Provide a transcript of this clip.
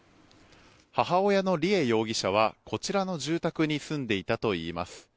母親の梨恵容疑者はこちらの住宅に住んでいたといいます。